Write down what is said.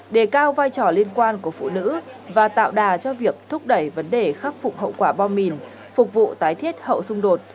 đề cao vai trò liên quan của phụ nữ và tạo đà cho việc thúc đẩy vấn đề khắc phục hậu quả bom mìn phục vụ tái thiết hậu xung đột